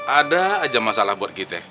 ada aja masalah buat kita